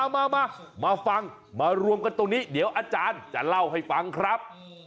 มามาฟังมารวมกันตรงนี้เดี๋ยวอาจารย์จะเล่าให้ฟังครับ